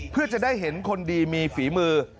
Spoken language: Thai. เพื่อจะได้เห็นคนดีมีฝีมือ